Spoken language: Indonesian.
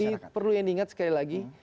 dan perlu yang diingat sekali lagi